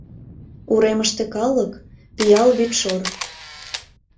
Уремыште калык — пиал вӱдшор.